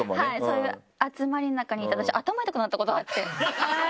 そういう集まりの中にいて私頭痛くなったことがあって。